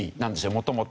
もともと。